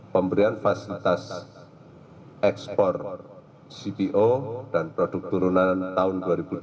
pemberian fasilitas ekspor cpo dan produk turunan tahun dua ribu dua puluh